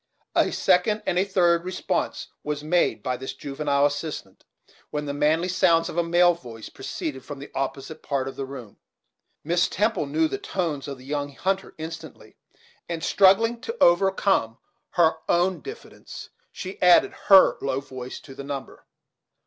A second and third response was made by this juvenile assistant, when the manly sounds of a male voice proceeded from the opposite part of the room, Miss Temple knew the tones of the young hunter instantly, and struggling to overcome her own diffidence she added her low voice to the number.